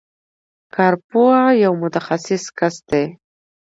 کارپوه یو متخصص کس دی.